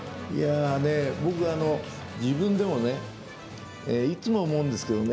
僕、自分でもねいつも思うんですけどね